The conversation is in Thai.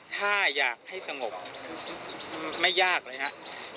ถ้าอยากให้สงบไม่ยากเลยครับ